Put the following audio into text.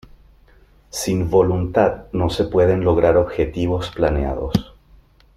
Sin voluntad no se pueden lograr objetivos planeados.